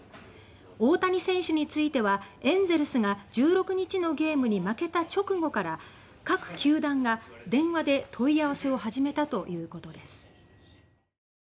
大谷選手についてはエンゼルスが１６日のゲームに負けた直後から各球団が電話で問い合わせを始めたということです。